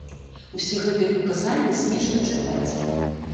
Усе гэтыя паказанні смешна чытаць.